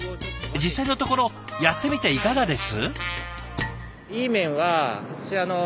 実際のところやってみていかがです？